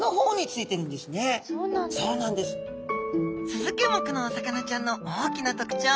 スズキ目のお魚ちゃんの大きな特徴